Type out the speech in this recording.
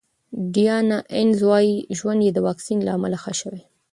ډیانا اینز وايي ژوند یې د واکسین له امله ښه شوی.